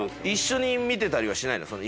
一緒に見てたりはしないの？